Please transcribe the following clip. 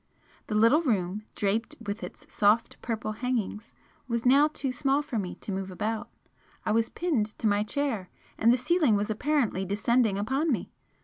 The little room, draped with its soft purple hangings, was now too small for me to move about, I was pinned to my chair, and the ceiling was apparently descending upon me.